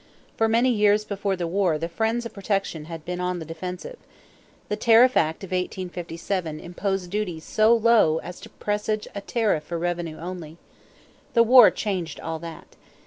For many years before the war the friends of protection had been on the defensive. The tariff act of 1857 imposed duties so low as to presage a tariff for revenue only. The war changed all that.